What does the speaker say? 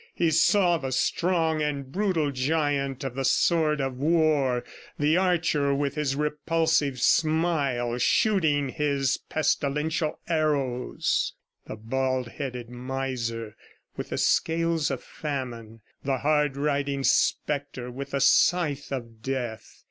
He saw the strong and brutal giant with the sword of War, the archer with his repulsive smile, shooting his pestilential arrows, the bald headed miser with the scales of Famine, the hard riding spectre with the scythe of Death.